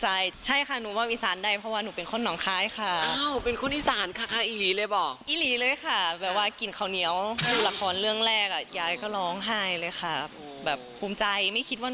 โอ้ยติดอยู่เหมือนกันนะคุณผู้ชมค่ะ